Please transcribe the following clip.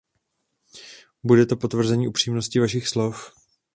Bude to potvrzení upřímnosti Vašich slov.